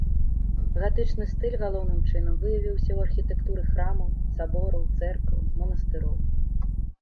Гатычны стыль, галоўным чынам, выявіўся ў архітэктуры храмаў, сабораў, цэркваў, манастыроў.